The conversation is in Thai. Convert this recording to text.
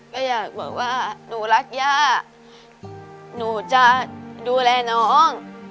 ก็อยากบอกว่าหนูรักย่าหนูจะดูแลน้อง